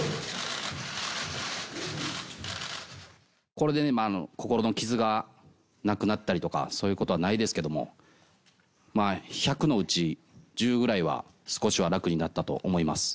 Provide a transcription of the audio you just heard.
これで心の傷がなくなったりとか、そういうことはないですけども、１００のうち１０ぐらいは、少しは楽になったと思います。